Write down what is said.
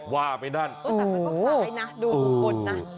ว่าไปนั่นแต่มันก็คล้ายนะดูคนนะ